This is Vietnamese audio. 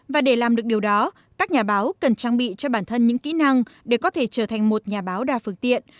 và để làm được điều đó các nhà báo cần trang bị cho bản thân những kỹ năng để có thể trở thành một nhà báo đa phương tiện